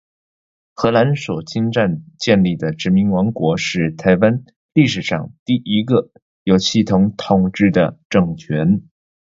荷兰所侵占建立的殖民王国，是台湾历史上第一个有系统统治的政权。